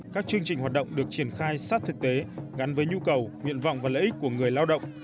các chương trình hoạt động được triển khai sát thực tế gắn với nhu cầu nguyện vọng và lợi ích của người lao động